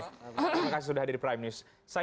terima kasih sudah hadir di prime news